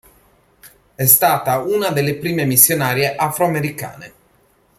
È stata una delle prime missionarie afro-americane.